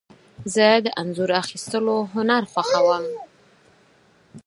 زه د انځور اخیستلو هنر خوښوم.